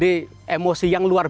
digeraknya mentang mentang tentara